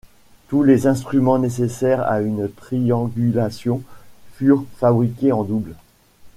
Tous les instruments nécessaires à une triangulation furent fabriqués en double.